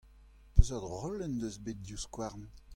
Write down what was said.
Peseurt roll en deus bet Divskouarn ?